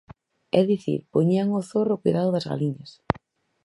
É dicir, poñían o zorro ao coidado das galiñas.